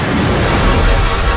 tapi jangan coba genshin